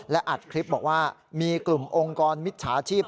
และอัดคลิปบอกว่ามีกลุ่มองค์กรมิจฉาชีพ